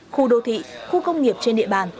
khu đô thị khu công nghiệp trên địa bàn